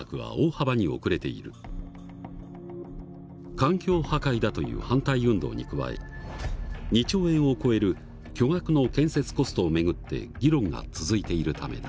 環境破壊だという反対運動に加え２兆円を超える巨額の建設コストを巡って議論が続いているためだ。